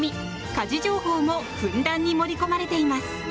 家事情報もふんだんに盛り込まれています！